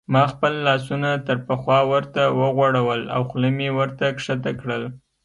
ما خپل لاسونه تر پخوا ورته وغوړول او خوله مې ورته کښته کړل.